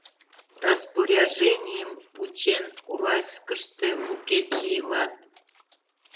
Распоряженийым вучен, Уральскыште лу кече илат.